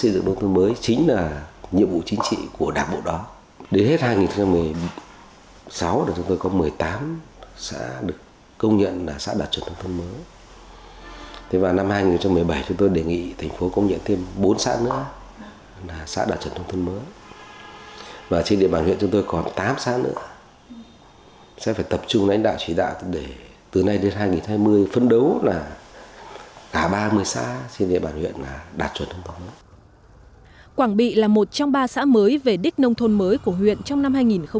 quảng bị là một trong ba xã mới về đích nông thôn mới của huyện trong năm hai nghìn một mươi bảy